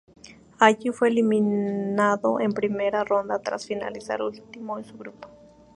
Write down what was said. Allí fue eliminado en primera ronda tras finalizar último en su grupo.